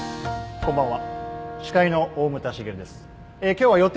こんばんは。